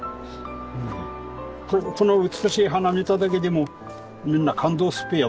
美しい花見ただけでもみんな感動すっぺや。